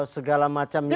segala macam yang